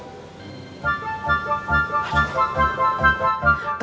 asli dip bisa jadi itu